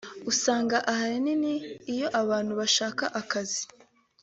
Usanga ahanini iyo abantu bashaka akazi